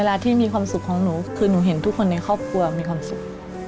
ที่มีความสุขของหนูคือหนูเห็นทุกคนในครอบครัวมีความสุข